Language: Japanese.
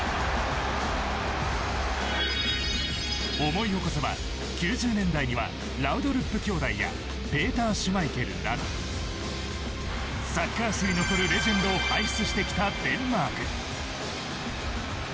思い起こせば９０年代にはラウドルップ兄弟やペーター・シュマイケルなどサッカー史に残るレジェンドを輩出してきたデンマーク。